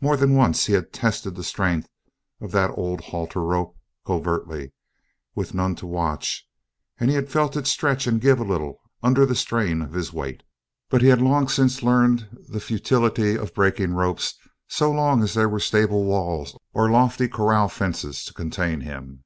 More than once he had tested the strength of that old halter rope, covertly, with none to watch, and had felt it stretch and give a little under the strain of his weight; but he had long since learned the futility of breaking ropes so long as there were stable walls or lofty corral fences to contain him.